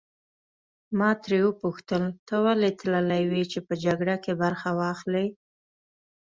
ما ترې وپوښتل ته ولې تللی وې چې په جګړه کې برخه واخلې.